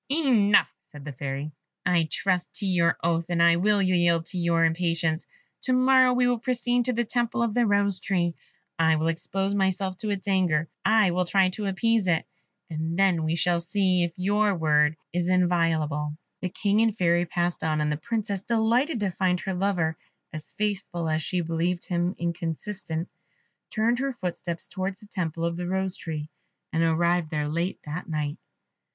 "Enough," said the Fairy; "I trust to your oath, and I will yield to your impatience. To morrow we will proceed to the temple of the Rose tree. I will expose myself to its anger. I will try to appease it, and then we shall see if your word is inviolable." The King and the Fairy passed on, and the Princess, delighted to find her lover as faithful as she had believed him inconstant, turned her footsteps towards the temple of the Rose tree, and arrived there late at night.